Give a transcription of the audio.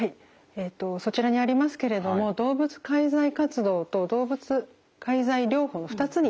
えっとそちらにありますけれども動物介在活動と動物介在療法の２つに分かれます。